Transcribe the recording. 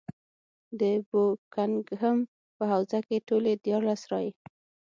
د بوکنګهم په حوزه کې ټولې دیارلس رایې.